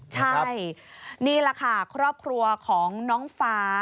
ใช่นี่แหละค่ะครอบครัวของน้องฟ้า